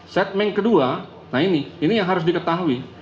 segmen kedua nah ini ini yang harus diketahui